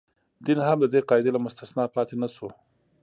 دین هم د دې قاعدې له مستثنا پاتې نه شو.